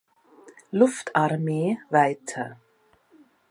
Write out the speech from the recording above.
Luftarmee weiter.